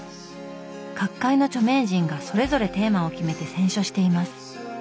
各界の著名人がそれぞれテーマを決めて選書しています。